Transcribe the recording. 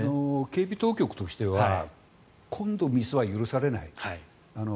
警備当局としては今度、ミスは許されない。